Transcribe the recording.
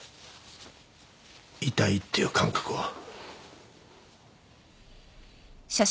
痛いっていう感覚を。